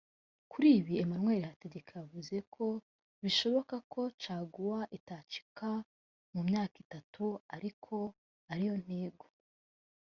Kuri ibi Emmanuel Hategeka yavuze ko bishoboka ko caguwa itacika mu myaka itatu ariko ko ari yo ntego